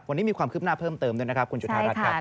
วันนี้มีความคืบหน้าเพิ่มเติมด้วยนะครับคุณจุธารัฐครับ